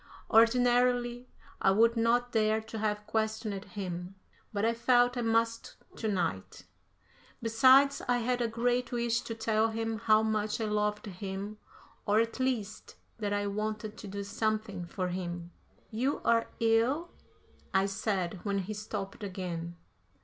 Ordinarily, I would not dare to have questioned him, but I felt I must to night. Besides, I had a great wish to tell him how much I loved him or, at least, that I wanted to do something for him. "You are ill?" I said, when he stopped again.